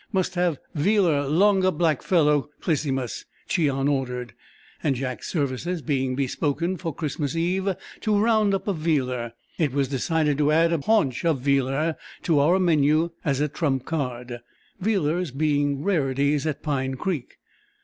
"Must have Vealer longa black fellow Clisymus," Cheon ordered, and Jack's services being bespoken for Christmas Eve, to "round up a Vealer," it was decided to add a haunch of "Vealer" to our menu as a trump card—Vealers being rarities at Pine Creek.